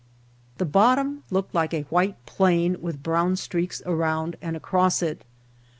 The bottom looked like a white plain with brown streaks around and across it.